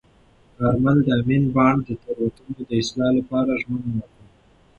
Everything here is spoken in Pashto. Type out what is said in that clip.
کارمل د امین بانډ د تېروتنو د اصلاح لپاره ژمنه وکړه.